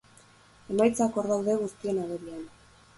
Emaitzak, hor daude, guztien agerian.